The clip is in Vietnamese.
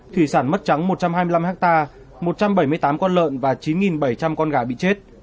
thủy sản mất trắng một trăm hai mươi năm ha một trăm bảy mươi tám con lợn và chín bảy trăm linh con gà bị chết